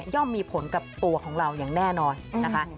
มีผลกับตัวของเราอย่างแน่นอนนะคะ